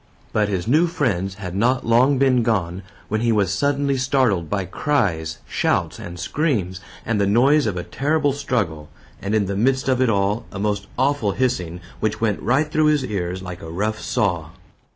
But his new friends had not long been gone, when he was suddenly startled by cries, shouts, and screams, and the noise of a terrible struggle, and in the midst of it all, a most awful hissing, which went right through his ears like a rough saw.